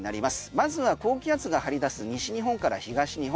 まずは高気圧が張り出す西日本から東日本